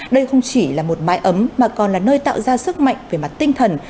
đây không chỉ là một mái ấm mà còn là nơi tạo ra sức mạnh về mặt tinh thần